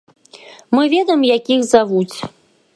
Мы ведаем, як іх завуць.